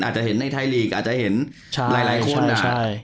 อาจจะเห็นในไทยลีกอาจจะเห็นหลายคนนะครับ